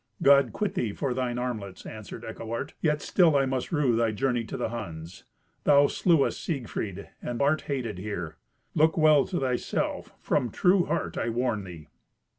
"God quit thee for thine armlets," answered Eckewart. "Yet still I must rue thy journey to the Huns. Thou slewest Siegfried, and art hated here. Look well to thyself; from true heart I warn thee."